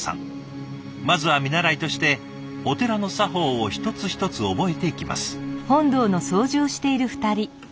まずは見習いとしてお寺の作法を一つ一つ覚えていきます。